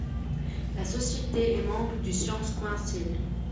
La Société est membre du Science Council.